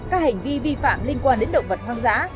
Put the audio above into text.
các hành vi vi phạm liên quan đến động vật hoang dã